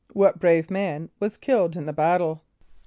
= What brave man was killed in the battle?